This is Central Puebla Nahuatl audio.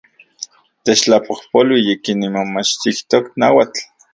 Techtlapojpolui, yikin nimomachtijtok nauatl